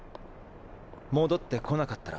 戻ってこなかったら？